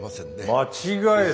間違えた？